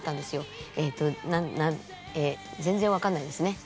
えっと全然分かんないですね。